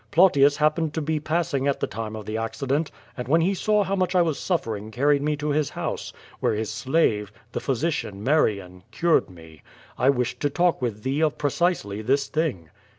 Plautius happened to be passing at the time of the accident, and when he saw how much I was suffering carried me to his house, where his slave, the physician Merien, cured me. I wished to talk with thee of precisely this thing.'